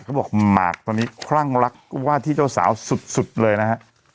เขาบอกหมากตอนนี้คลั่งรักว่าที่เจ้าสาวสุดเลยนะฮะ